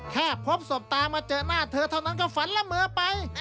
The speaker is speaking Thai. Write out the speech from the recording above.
พบศพตามาเจอหน้าเธอเท่านั้นก็ฝันละเมอไป